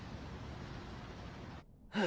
はあ。